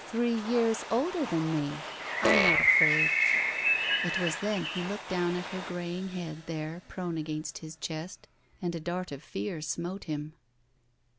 Three years older than me. I'm not afraid." It was then he looked down at her grajring head there, prone against his chest, and a dart of fear smote him.